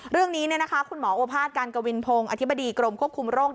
เรื่องนี้คุณหมอโอภาษการกวินพงศ์อธิบดีกรมควบคุมโรค